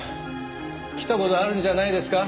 来た事あるんじゃないですか。